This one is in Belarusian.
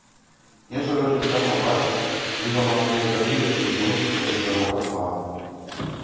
Нечага жыцця пабачыш ды за маладыя гады яшчэ і знойдзеш сабе каго пад пару.